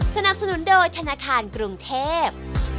สนับสนุนโดยธนาคารกรุงเทพ